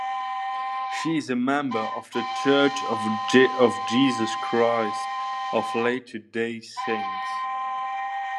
She is a member of The Church of Jesus Christ of Latter-day Saints.